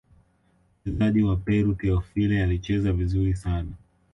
mchezaji wa peru teofile alicheza vizuri sana